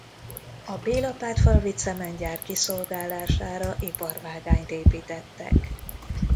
A Bélapátfalvi Cementgyár kiszolgálására iparvágányt építettek.